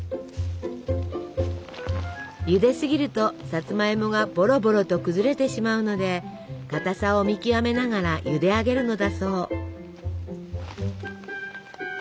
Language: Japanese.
ゆですぎるとさつまいもがボロボロと崩れてしまうのでかたさを見極めながらゆであげるのだそう。